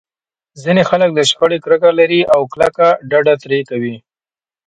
ځينې خلک له شخړې کرکه لري او کلکه ډډه ترې کوي.